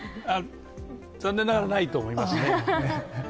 残念ながらないと思いますね。